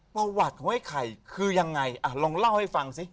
ประวัติของไอ้ไข่คือยังไงลองเล่าให้ฟังสิ